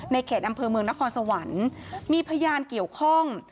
เขตอำเภอเมืองนครสวรรค์มีพยานเกี่ยวข้อง